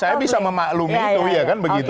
saya bisa memaklumi itu iya kan begitu